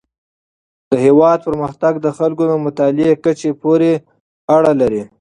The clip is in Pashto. د هیواد پرمختګ د خلکو د مطالعې کچې پورې اړه لري.